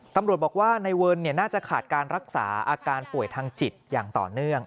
ตำรวจบอกว่านายเวิร์นน่าจะขาดการรักษาอาการป่วยทางจิตอย่างต่อเนื่อง